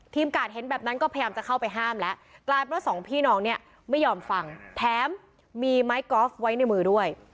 กาดเห็นแบบนั้นก็พยายามจะเข้าไปห้ามแล้วกลายเป็นว่าสองพี่น้องเนี่ยไม่ยอมฟังแถมมีไม้กอล์ฟไว้ในมือด้วย